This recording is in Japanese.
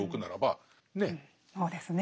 そうですねえ。